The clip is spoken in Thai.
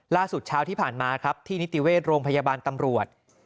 ล่าสุดเช้าที่ผ่านมาที่นิติเวชโรงพยาบาลตำรวจ